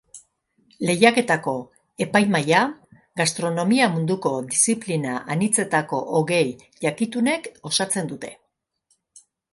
Lehiaketako epaimahia gastronomia munduko diziplina anitzetako hogei jakitunek osatzen dute.